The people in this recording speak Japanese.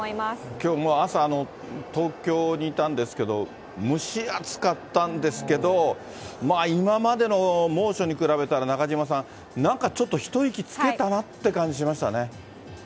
きょう、もう朝、東京にいたんですけど、蒸し暑かったんですけど、今までの猛暑に比べたら、中島さん、なんかちょっと一息つけたなって感じしましたね。